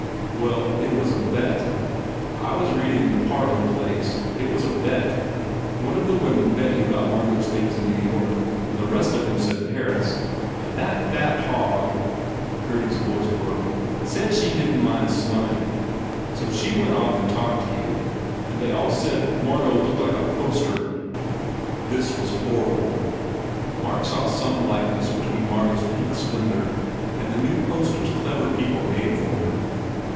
"Well, it was a bet. I was reading in the parlour place. It was a bet. One of the women bet you got Margot s things in New York and the rest of em said Paris. And that fat hog Gurdy s voice broke "said she didn t mind slumming. So she went off and talked to you. They all s said that Margot looked like a poster." This was horrible. Mark saw some likeness between Margot s pink splendour and the new posters clever people made for him.